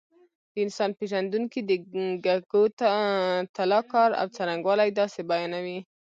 د انسان پېژندونکي د کګوتلا کار او څرنګوالی داسې بیانوي.